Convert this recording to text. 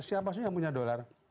siapa sih yang punya dolar